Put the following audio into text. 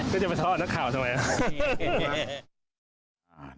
ก็จะไปท้อนนักข่าวทำไม